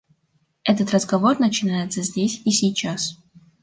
Этот разговор начинается здесь и сейчас.